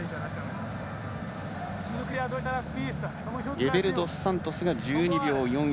ゲベルドスサントスが１２秒４１。